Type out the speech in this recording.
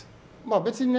別にね